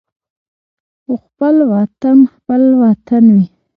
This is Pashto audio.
خو خپل وطن خپل وطن وي.